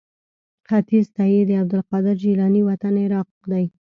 ختیځ ته یې د عبدالقادر جیلاني وطن عراق دی.